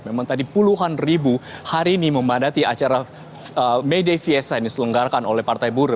memang tadi puluhan ribu hari ini memandati acara may day fiesta yang diselenggarkan oleh partai buruh